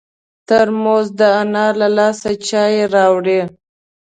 ترموز د انا له لاسه چای راوړي.